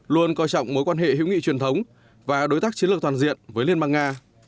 luôn coi trọng mối quan hệ hữu nghị truyền thống và đối tác chiến lược toàn diện với liên bang nga